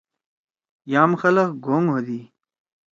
یام خلگ گھونگ ہودی۔